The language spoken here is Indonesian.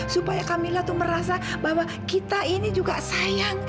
supaya kak mila tuh merasa bahwa kita ini juga sayang